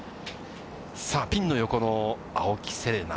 さあ、ピンの横の青木瀬令奈。